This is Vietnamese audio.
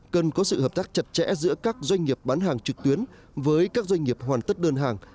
cần có sự hợp tác chặt chẽ giữa các doanh nghiệp bán hàng trực tuyến với các doanh nghiệp hoàn tất đơn hàng